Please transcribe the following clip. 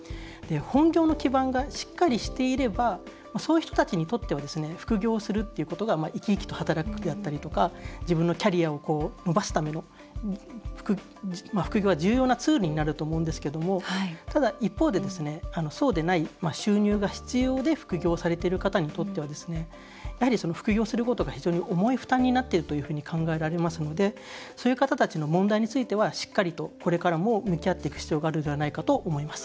本業の基盤がしっかりしていればそういう人たちにとっては副業をするということが生き生きと働くであったりとか自分のキャリアを伸ばすための副業は重要なツールになると思うんですけれどもただ、一方で、そうでない収入が必要で副業をされている方にとってはやはり副業することが非常に重い負担になっているというふうに考えられますのでそういう方たちの問題についてはしっかりと、これからも向き合っていく必要があるのではないかと思います。